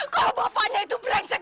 kalau bapaknya itu beresek